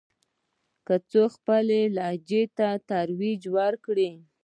که څوک خپلې لهجې ته ترجیح ورکوي.